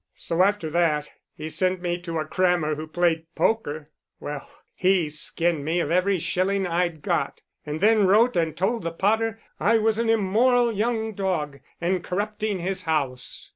So, after that, he sent me to a crammer who played poker. Well, he skinned me of every shilling I'd got, and then wrote and told the pater I was an immoral young dog, and corrupting his house."